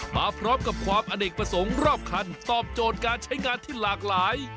มาพร้อมกับความอเนกประสงค์รอบคันตอบโจทย์การใช้งานที่หลากหลาย